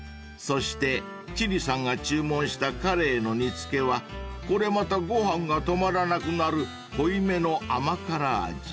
［そして千里さんが注文したかれいの煮付けはこれまたご飯が止まらなくなる濃いめの甘辛味］